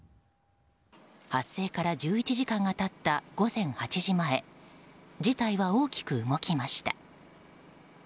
発生から１１時間が経った午前８時前事態は大きく動きました。